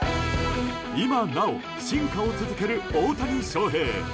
今なお進化を続ける大谷翔平。